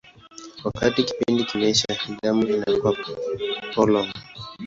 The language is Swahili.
Wakati kipindi kimeisha, damu inakuwa polong.